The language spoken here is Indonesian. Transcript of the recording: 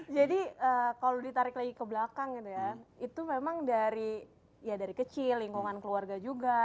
jadi kalau ditarik lagi ke belakang gitu ya itu memang dari kecil lingkungan keluarga juga